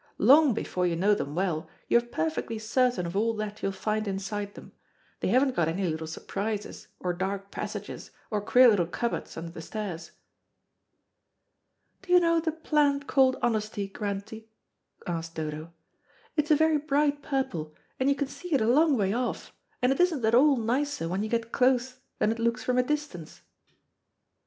Long before you know them well, you are perfectly certain of all that you will find inside them. They haven't got any little surprises, or dark passages, or queer little cupboards under the stairs." "Do you know the plant called honesty, Grantie?" asked Dodo. "It's a very bright purple, and you can see it a long way off, and it isn't at all nicer when you get close than it looks from a distance."